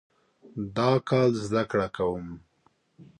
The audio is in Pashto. دا کال زده کړه کوم